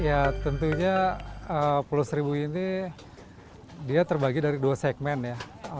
ya tentunya pulau seribu ini dia terbagi dari dua segmen ya